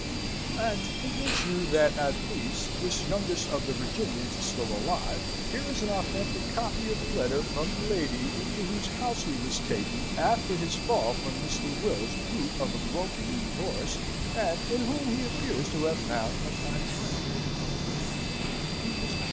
And to convince you that at least this youngest of the Virginians is still alive, here is an authentic copy of a letter from the lady into whose house he was taken after his fall from Mr. Will's brute of a broken kneed horse, and in whom he appears to have found a kind friend: "TO MRS.